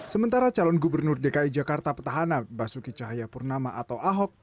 sementara calon gubernur dki jakarta petahana basuki cahayapurnama atau ahok